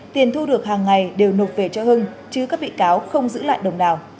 tiền thu được hàng ngày đều nộp về cho hưng chứ các bị cáo không giữ lại đồng nào